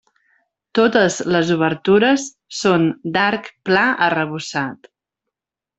Totes les obertures són d'arc pla arrebossat.